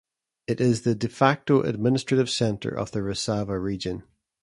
It is the "de facto" administrative center of the Resava region.